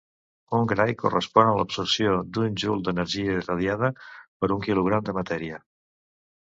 Un gray correspon a l'absorció d'un joule d'energia irradiada per un quilogram de matèria.